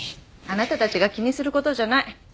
あなたたちが気にすることじゃない